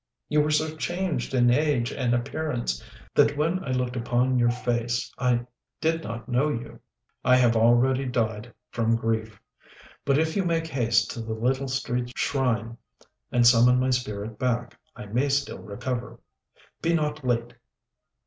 You were so changed in age and appearance that when I looked upon your face I did not know you. I have already died from grief; but if you make haste to the little street shrine and summon my spirit back, I may still recover. Be not late!"